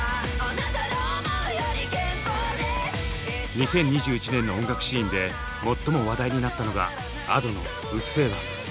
２０２１年の音楽シーンで最も話題になったのがＡｄｏの「うっせぇわ」。